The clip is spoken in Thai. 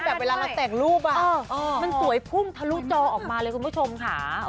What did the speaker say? แต่เวลาเราแต่งรูปมันสวยพุ่งทะลุจอออกมาเลยคุณผู้ชมค่ะ